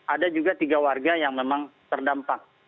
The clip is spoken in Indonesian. ada juga tiga warga yang memang terdampak